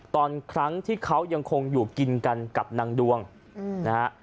ตอนครั้งที่เขายังคงอยู่กินกันกับนางดวงนะฮะ